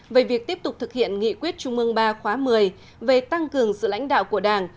về việc tiếp tục thực hiện nghị quyết trung mương ba khóa một mươi về tăng cường sự lãnh đạo của đảng